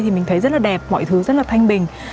thì mình thấy rất là đẹp mọi thứ rất là thanh bình